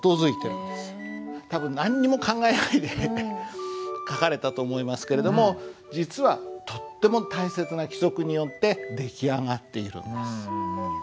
多分何にも考えないで書かれたと思いますけれども実はとっても大切な規則によって出来上がっているんです。